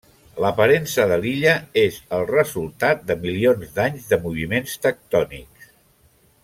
L'aparença de l'illa és el resultat de milions d'anys de moviments tectònics.